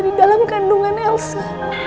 di dalam kandungan elsa